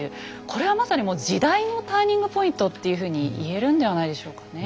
これはまさにもう時代のターニングポイントっていうふうに言えるんではないでしょうかね。